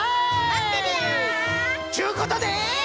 ちゅうことで。